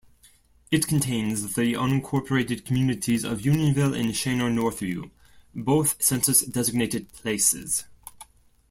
It contains the unincorporated communities of Unionville and Shanor-Northvue, both census-designated places.